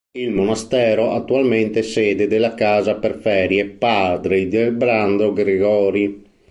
Il monastero attualmente è sede della casa per ferie Padre Ildebrando Gregori.